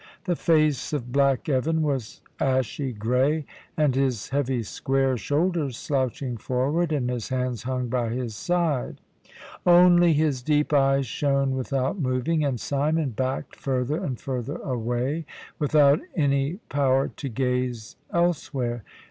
The face of black Evan was ashy grey, and his heavy square shoulders slouching forward, and his hands hung by his side. Only his deep eyes shone without moving; and Simon backed further and further away, without any power to gaze elsewhere.